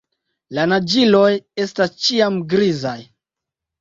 La naĝiloj estas ĉiam grizaj.